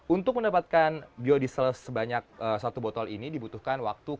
untuk mendapatkan biodiesel sebanyak satu botol ini dibutuhkan waktu